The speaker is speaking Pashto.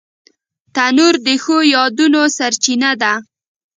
تنور د ښو یادونو سرچینه ده